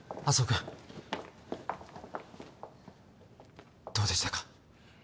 君どうでしたか？